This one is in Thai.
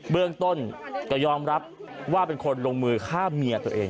เบื้องต้นก็ยอมรับว่าเป็นคนลงมือฆ่าเมียตัวเอง